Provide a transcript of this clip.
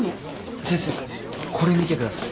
先生これ見てください。